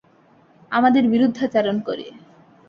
আমাদের বিরুদ্ধাচারণ করে।